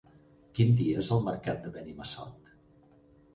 Quin dia és el mercat de Benimassot?